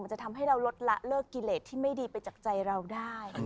จะทำให้เราลดละเลิกกิเลสที่ไม่ดีไปจากใจเราได้